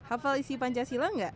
hafal isi pancasila enggak